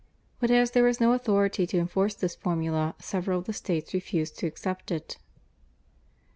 But as there was no authority to enforce this Formula several of the states refused to accept it.